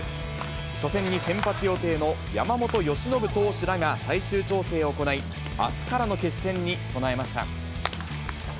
初戦に先発予定の山本由伸投手らが最終調整を行い、あすからの決戦に備えました。